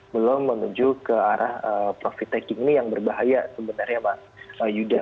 belum menuju ke arah profit taking ini yang berbahaya sebenarnya mas yuda